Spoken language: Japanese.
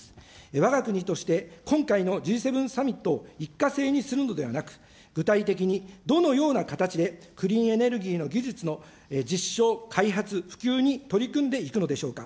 わが国として、今回のＧ７サミットを一過性にするのではなく、具体的にどのような形でクリーンエネルギーの技術の実証開発、普及に取り組んでいくのでしょうか。